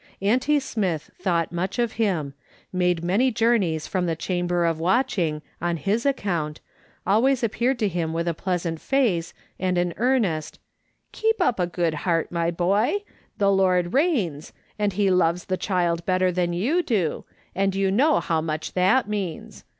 Auntie Smith thought much of him ; made many journeys from the chamber of watching on his ac count ; always appeared to him with a pleasant face and an earnest —" Keep up a good heart, my boy. The Lord reigns, and he loves the child better than you do, and you know how much that means.